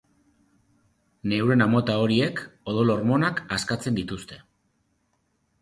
Neurona mota horiek odol hormonak askatzen dituzte.